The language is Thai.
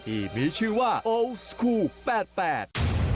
ที่มีชื่อว่าโอสคูลแปดแปด